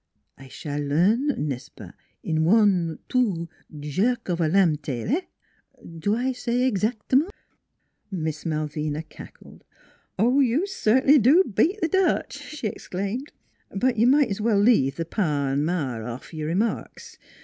" I s'all learn n'est ce pas? in one two jerk of a lamb tail eh? ... Do I say exactement? " Miss Malvina cackled. " You cert'nly do beat th' Dutch !" she ex claimed. " But you might's well leave the pa an' ma off your remarks.